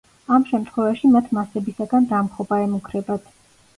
ამ შემთხვევაში მათ მასებისაგან დამხობა ემუქრებათ.